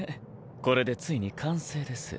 これでついに完成です。